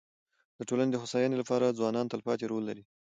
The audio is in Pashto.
د ټولني د هوسايني لپاره ځوانان تلپاتي رول لري.